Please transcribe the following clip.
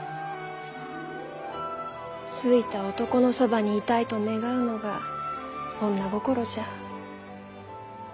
好いた男のそばにいたいと願うのが女心じゃ。